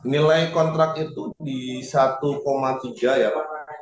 nilai kontrak itu di satu tiga ya pak